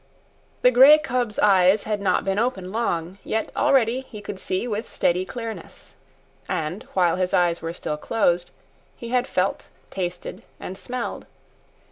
The grey cub's eyes had not been open long, yet already he could see with steady clearness. And while his eyes were still closed, he had felt, tasted, and smelled.